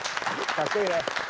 かっこいい！